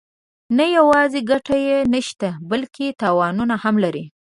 نه یوازې ګټه یې نشته بلکې تاوانونه هم لري.